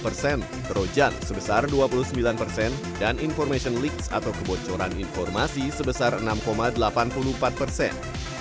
dua puluh persen perojan sebesar dua puluh sembilan persen dan information league atau kebocoran informasi sebesar enam delapan puluh empat persen